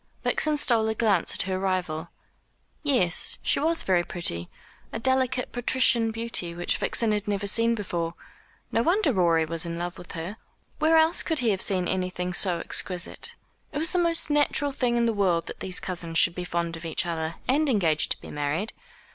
Vixen stole a glance at her rival. Yes, she was very pretty a delicate patrician beauty which Vixen had never seen before. No wonder Rorie was in love with her. Where else could he have seen anything so exquisite? It was the most natural thing in the world that these cousins should be fond of each other, and engaged to be married.